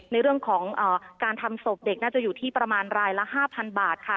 ในเรื่องของการทำศพเด็กน่าจะอยู่ที่ประมาณรายละ๕๐๐บาทค่ะ